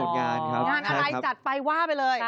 งานอะไรจัดไปว่าไปเลย